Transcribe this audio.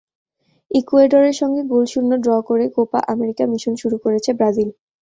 ইকুয়েডরের সঙ্গে গোলশূন্য ড্র করে কোপা আমেরিকা মিশন শুরু করেছে ব্রাজিল।